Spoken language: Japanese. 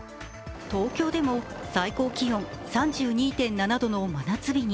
東京でも最高気温３２．７度の真夏日に。